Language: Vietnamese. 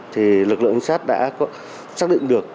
thì lực lượng xác đã xác định được